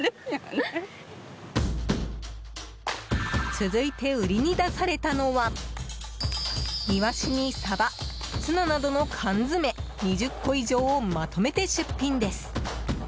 続いて売りに出されたのはイワシにサバ、ツナなどの缶詰２０個以上をまとめて出品です。